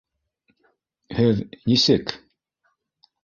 Һеҙ... нисек...